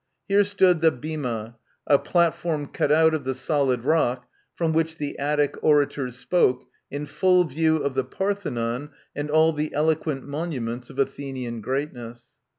Here stood the bona, a platform cut out of the solid rock, from which the Attic orators spoke, in full view of the Parthenon and all the eloquent monuments of Athenian greatness.